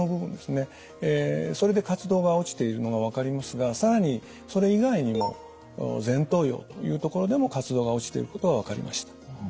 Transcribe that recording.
それで活動が落ちているのが分かりますが更にそれ以外にも前頭葉というところでも活動が落ちていることが分かりました。